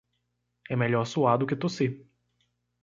É melhor suar do que tossir.